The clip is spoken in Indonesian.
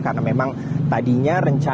karena memang tadinya renyah